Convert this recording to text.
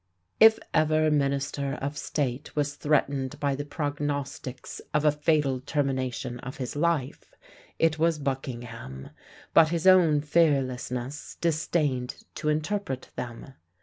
If ever minister of state was threatened by the prognostics of a fatal termination to his life, it was Buckingham; but his own fearlessness disdained to interpret them.